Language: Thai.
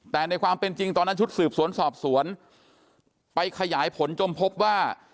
แต่ในความเป็นจริงตอนนั้นชุดสืบสวนสอบสวนไปขยายผลจนพบว่า